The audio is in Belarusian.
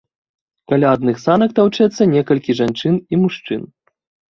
Каля адных санак таўчэцца некалькі жанчын і мужчын.